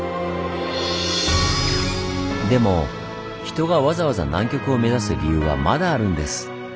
でも人がわざわざ南極を目指す理由はまだあるんです！